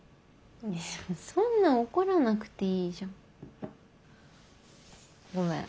そんな怒らなくていいじゃん。ごめん。